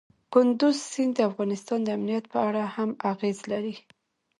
کندز سیند د افغانستان د امنیت په اړه هم اغېز لري.